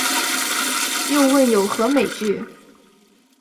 又问有何美句？